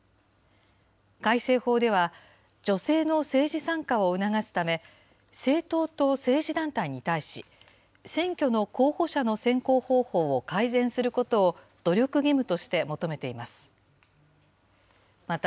改正法では、女性の政治参加を促すため、政党と政治団体に対し、選挙の候補者の選考方法を改善することを努力義務として求めています。